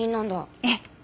ええ。